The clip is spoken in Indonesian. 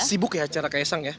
sibuk ya acara kaya sang ya